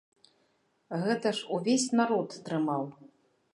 Гэта ж увесь народ трымаў.